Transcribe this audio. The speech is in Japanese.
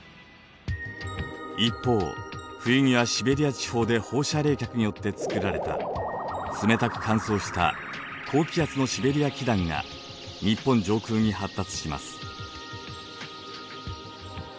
一方冬にはシベリア地方で放射冷却によってつくられた冷たく乾燥した高気圧のシベリア気団が日本上空に発達します。